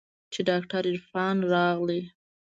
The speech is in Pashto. چې ډاکتر عرفان راغى.